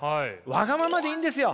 わがままでいいんですよ。